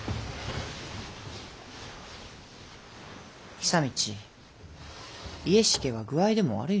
久通家重は具合でも悪いのか？